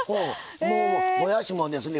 もうもやしもですね